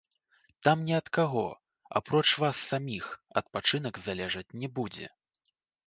Там ні ад каго апроч вас саміх адпачынак залежаць не будзе.